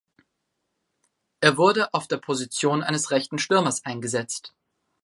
Er wurde auf der Position eines rechten Stürmers eingesetzt.